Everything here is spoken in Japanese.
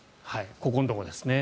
ここのところですね。